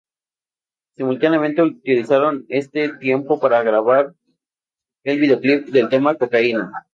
Simultáneamente utilizaron este tiempo para grabar el videoclip del tema "Cocaína".